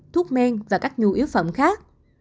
thuốc men và các nhu yếu phẩm khác